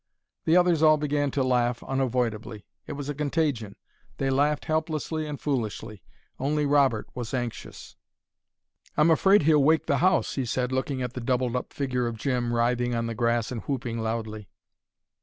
The others all began to laugh, unavoidably. It was a contagion. They laughed helplessly and foolishly. Only Robert was anxious. "I'm afraid he'll wake the house," he said, looking at the doubled up figure of Jim writhing on the grass and whooping loudly.